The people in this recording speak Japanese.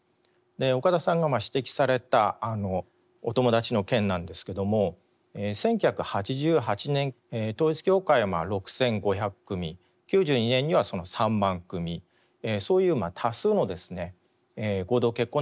岡田さんが指摘されたお友達の件なんですけども１９８８年統一教会は６，５００組９２年には３万組そういう多数のですね合同結婚というのをやりました。